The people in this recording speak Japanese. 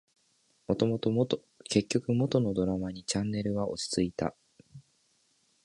結局、元のドラマにチャンネルは落ち着いた